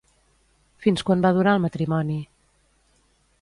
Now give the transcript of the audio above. Fins quan va durar el matrimoni?